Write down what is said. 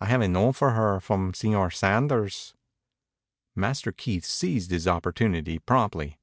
"I have a note for her from Señor Sanders." Master Keith seized his opportunity promptly.